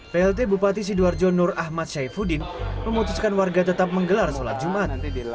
plt bupati sidoarjo nur ahmad syaifuddin memutuskan warga tetap menggelar sholat jumat